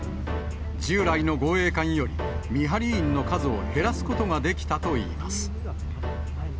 従来の護衛艦より見張り員の数を減らすことができたといいます。